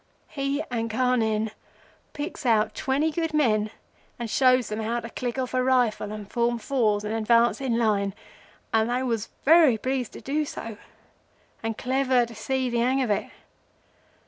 He and Carnehan picks out twenty good men and shows them how to click off a rifle, and form fours, and advance in line, and they was very pleased to do so, and clever to see the hang of it.